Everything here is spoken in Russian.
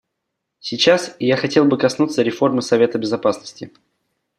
Сейчас я хотел бы коснуться реформы Совета Безопасности.